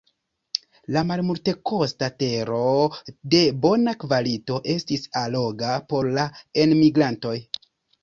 La malmultekosta tero de bona kvalito estis alloga por la enmigrantoj.